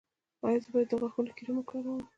ایا زه باید د غاښونو کریم وکاروم؟